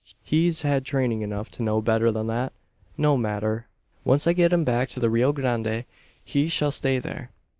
He's had training enough to know better than that. No matter. Once I get him back to the Rio Grande he shall stay there.